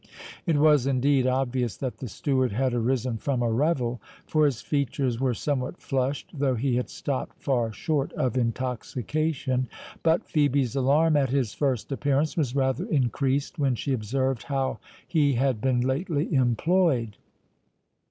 It was, indeed, obvious that the steward had arisen from a revel, for his features were somewhat flushed, though he had stopped far short of intoxication. But Phœbe's alarm at his first appearance was rather increased when she observed how he had been lately employed.